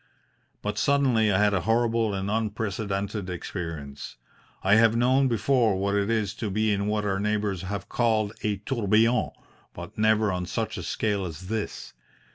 But suddenly I had a horrible and unprecedented experience. I have known before what it is to be in what our neighbours have called a tourbillon, but never on such a scale as this.